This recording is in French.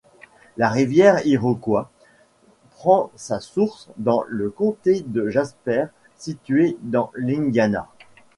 La rivière Iroquois prend sa source dans le Comté de Jasper situé dans l'Indiana.